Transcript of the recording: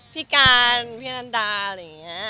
พี่การพี่นันดาอะไรอย่างนี้